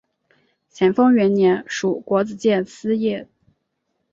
咸丰元年署国子监司业。